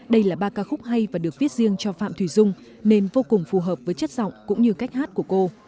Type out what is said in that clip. đây là ba ca khúc hay và được viết riêng cho phạm thùy dung nên vô cùng phù hợp với chất giọng cũng như cách hát của cô